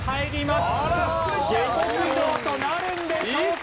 下克上となるんでしょうか？